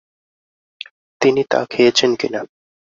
তিনি তা খেয়েছেন কিনা।